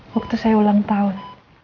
waktu saya ulang tahun